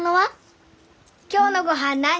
今日のごはん何？